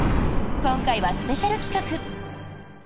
今回はスペシャル企画。